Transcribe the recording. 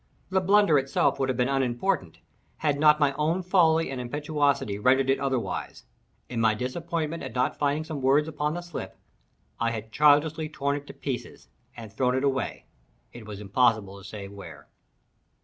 The blunder itself would have been unimportant, had not my own folly and impetuosity rendered it otherwise—in my disappointment at not finding some words upon the slip, I had childishly torn it in pieces and thrown it away, it was impossible to say where.